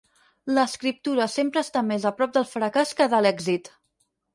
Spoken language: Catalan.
L'escriptura sempre està més a prop del fracàs que de l'èxit.